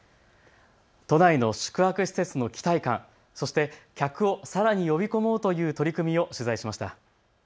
都内の宿泊施設の期待感、そして客をさらに呼び込もうという取り組みを取材しました。